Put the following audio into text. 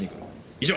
以上！